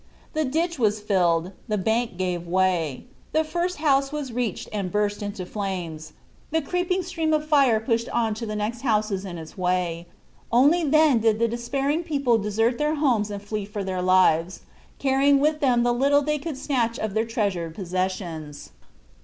The ditch was filled; the bank gave way; the first house was reached and burst into flames; the creeping stream of fire pushed on to the next houses in its way; only then did the despairing people desert their homes and flee for their lives, carrying with them the little they could snatch of their treasured possessions.